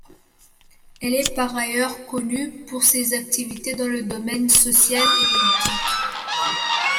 Elle est par ailleurs connue pour ses activités dans le domaine social et politique.